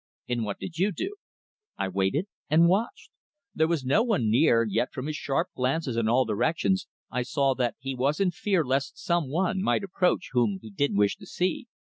"And what did you do?" "I waited and watched. There was no one near, yet from his sharp glances in all directions I saw that he was in fear lest some one might approach whom he didn't wish to see.